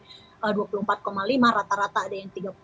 ada hasil survei dua puluh empat lima rata rata ada yang tiga puluh